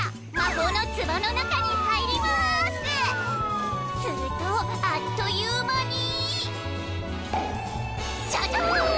するとあっという間に。